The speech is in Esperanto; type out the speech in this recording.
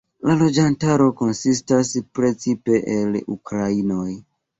La loĝantoj konsistas precipe el ukrainoj.